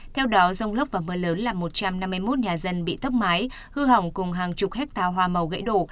theo đó rông lốc và mưa lớn làm một trăm năm mươi một nhà dân bị tốc mái hư hỏng cùng hàng chục hectare hoa màu gãy đổ